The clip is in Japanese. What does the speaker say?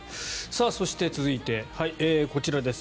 そして続いてこちらです。